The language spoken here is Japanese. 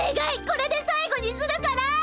これで最後にするから！